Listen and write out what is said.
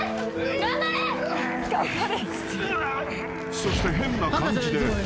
［そして変な感じで博士